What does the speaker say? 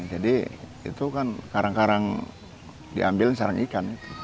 jadi itu kan karang arang diambil sarang ikan